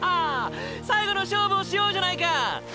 最後の勝負をしようじゃないか！